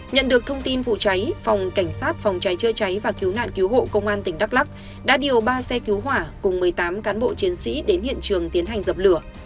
nhận được thông tin vụ cháy phòng cảnh sát phòng cháy chữa cháy và cứu nạn cứu hộ công an tỉnh đắk lắc đã điều ba xe cứu hỏa cùng một mươi tám cán bộ chiến sĩ đến hiện trường tiến hành dập lửa